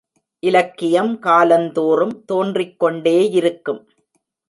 இலக்கியம் காலந்தோறும் தோன்றிக் கொண்டே யிருக்கும்.